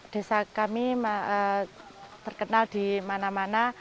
desa kami terkenal di mana mana